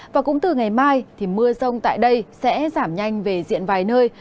và cũng từ ngày mai thì mưa rông tại đây sẽ giảm nhanh về diện vài nơi